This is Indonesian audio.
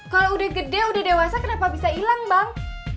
kalau udah gede udah dewasa kenapa bisa hilang bang